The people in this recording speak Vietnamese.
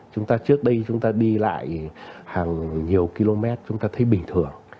trước đây chúng ta đi lại hàng nhiều km chúng ta thấy bình thường